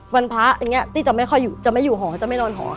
วันพระอย่างนี้ตี้จะไม่ค่อยอยู่จะไม่อยู่หอจะไม่นอนหอ